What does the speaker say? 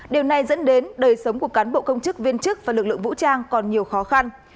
điều này dẫn đến đời sống của cán bộ công chức viên chức và lực lượng vũ trang còn nhiều khó khăn